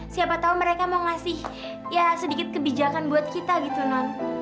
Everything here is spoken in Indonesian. siapa tau mereka mau ngasih ya sedikit kebijakan buat kita gitu non